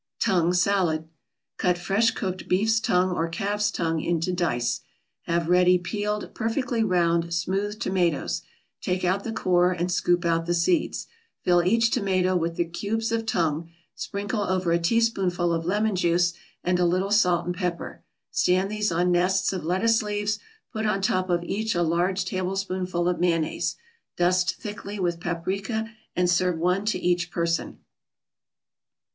TONGUE SALAD Cut fresh cooked beef's tongue or calf's tongue into dice. Have ready peeled perfectly round smooth tomatoes, take out the core and scoop out the seeds. Fill each tomato with the cubes of tongue, sprinkle over a teaspoonful of lemon juice and a little salt and pepper. Stand these on nests of lettuce leaves, put on top of each a large tablespoonful of mayonnaise. Dust thickly with paprika and serve one to each person.